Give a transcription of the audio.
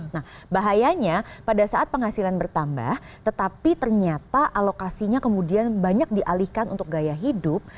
nah bahayanya pada saat penghasilan bertambah tetapi ternyata alokasinya kemudian banyak dialihkan untuk gaya hidup